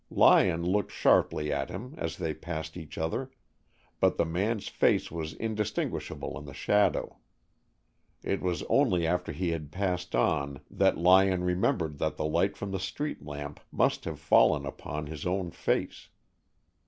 Lyon looked sharply at him as they passed each other, but the man's face was indistinguishable in the shadow. It was only after he had passed on that Lyon remembered that the light from the street lamp must have fallen full upon his own face.